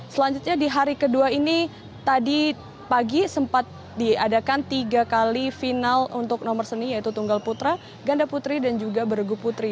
selanjutnya di hari kedua ini tadi pagi sempat diadakan tiga kali final untuk nomor seni yaitu tunggal putra ganda putri dan juga bergu putri